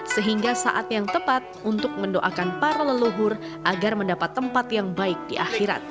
sehingga saat yang tepat untuk mendoakan para leluhur agar mendapat tempat yang baik di akhirat